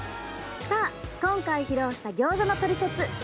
さあ、今回披露したギョーザのトリセツ